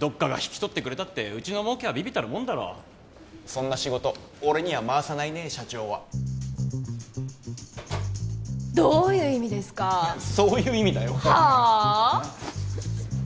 どっかが引き取ってくれたってうちの儲けは微々たるもんだろそんな仕事俺には回さないね社長はどういう意味ですかそういう意味だよはあ？